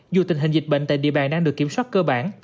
dù tình hình dịch bệnh tại địa bàn đang được kiểm soát cơ bản